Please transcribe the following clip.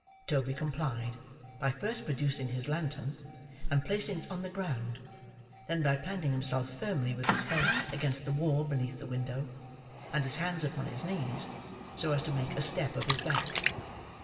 Toby complied, by first producing his lantern, and placing it on the ground; then by planting himself firmly with his head against the wall beneath the window, and his hands upon his knees, so as to make a step of his back.